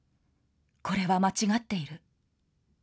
これは間違っている。